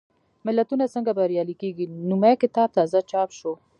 ملتونه څنګه بریالي کېږي؟ نومي کتاب تازه چاپ شو.